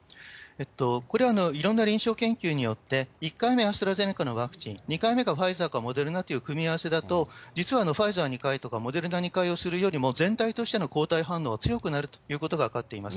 これ、いろんな臨床研究によって、１回目アストラゼネカのワクチン、２回目がファイザーかモデルナという組み合わせだと、実はファイザー２回とか、モデルナ２回するよりも、全体としての抗体反応は強くなるということが分かっています。